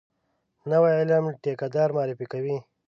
نوی علم ټیکه دار معرفي کوي.